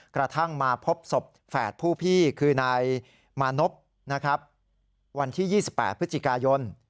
กระทั่งมาพบศพแฝดผู้พี่คือนายมานพวันที่๒๘พฤศจิกายน